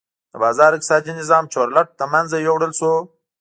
د بازار اقتصادي نظام چورلټ له منځه یووړل شو.